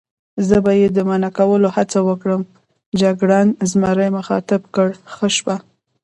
زه به یې د منع کولو هڅه وکړم، جګړن زمري مخاطب کړ: ښه شپه.